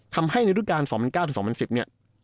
ทำให้ในอุตการณ์๒๐๑๙๒๐๑๐